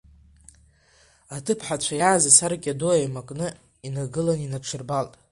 Аҭыԥҳацәа иааиз асаркьа ду еимакны инагылан, инадҽырбалт.